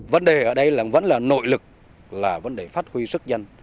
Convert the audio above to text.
vấn đề ở đây là vẫn là nội lực là vấn đề phát huy sức dân